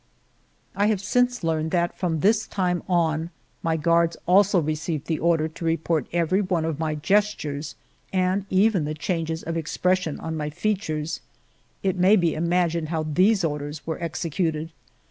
I have since learned that from this time on my guards also received the order to report every one of my gestures and even the changes of ex ALFRED DREYFUS 255 pression on my features. It may be imagined how these orders were executed